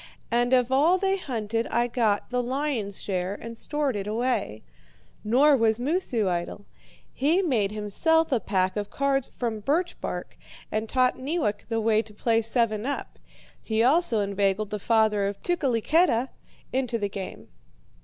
And of all they hunted I got the lion's share and stored it away. Nor was Moosu idle. He made himself a pack of cards from birch bark, and taught Neewak the way to play seven up. He also inveigled the father of Tukeliketa into the game.